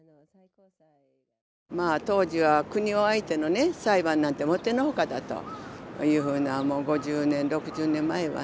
当時は国を相手の裁判なんてもってのほかだというふうな５０年６０年前はね